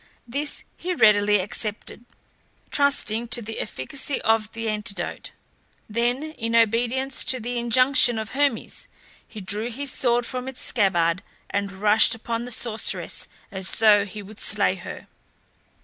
This he readily accepted, trusting to the efficacy of the antidote. Then, in obedience to the injunction of Hermes, he drew his sword from its scabbard and rushed upon the sorceress as though he would slay her.